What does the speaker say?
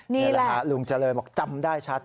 นี่แหละฮะลุงเจริญบอกจำได้ชัด